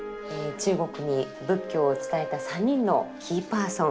中国に仏教を伝えた３人のキーパーソン。